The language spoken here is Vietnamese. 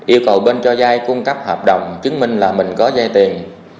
một yêu cầu bên cho vai cung cấp hợp đồng chứng minh là mình có vai tiền